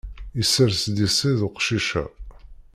Isers-d iṣiḍ uqcic-a.